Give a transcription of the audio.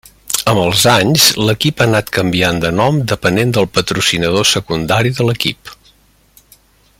Amb els anys l'equip ha anat canviant de nom depenent del patrocinador secundari de l'equip.